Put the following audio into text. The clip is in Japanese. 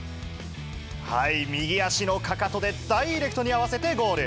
右足のかかとでダイレクトに合わせてゴール。